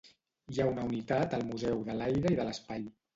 Hi ha una unitat al Museu de l'Aire i de l'Espai.